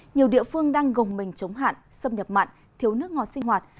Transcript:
nhiều địa phương đang gồng mình chống hạn xâm nhập mặn thiếu nước ngọt sinh hoạt